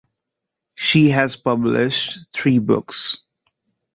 She has published three books.